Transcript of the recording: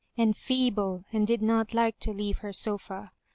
and feeble, and did not like to leave her sofa.